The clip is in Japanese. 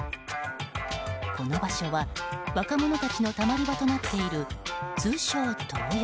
この場所は、若者たちのたまり場となっている通称トー横。